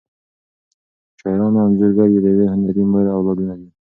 شاعر او انځورګر د یوې هنري مور اولادونه دي.